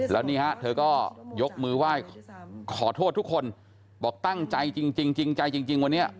แล้วนี่ฮะเธอก็ยกมือไหว้ขอโทษทุกคนบอกตั้งใจจริงจริงใจจริงวันนี้